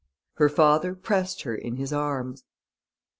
Her father pressed her in his arms.